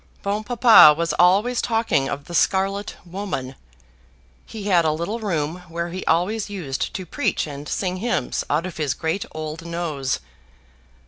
Bon Papa was always talking of the scarlet woman. He had a little room where he always used to preach and sing hymns out of his great old nose.